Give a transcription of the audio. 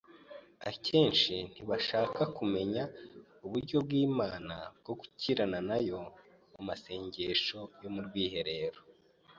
Akenshi ntibashaka kumenya uburyo bw’Imana bwo gukiranira na yo mu masengesho yo mu rwiherero